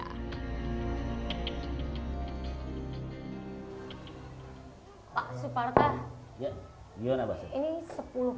pak suparta ini sepuluh kg bahkan yang besar itu bapak bilang bisa terpai dua puluh lima kg dan diikat di kaki para tahanan yang ada di sini dengan ruangan yang hanya tingginya satu ratus enam puluh lima cm